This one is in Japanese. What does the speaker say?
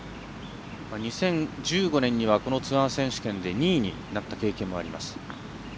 ２０１５年にはこのツアー選手権で２位になった経験もあります。